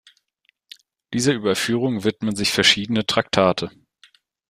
Dieser Überführung widmen sich verschiedene Traktate.